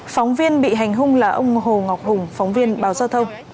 phóng viên bị hành hung là ông hồ ngọc hùng phóng viên báo giao thông